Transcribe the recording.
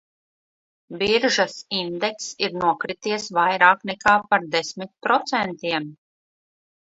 Biržas indekss ir nokrities vairāk nekā par desmit procentiem.